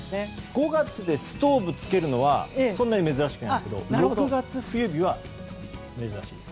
５月でストーブをつけるのはそんなに珍しくないですけど６月冬日は珍しいです。